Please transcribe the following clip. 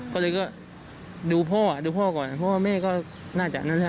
ก็เลยก็ดูพ่อดูพ่อก่อนเพราะว่าแม่ก็น่าจะนั่นแหละ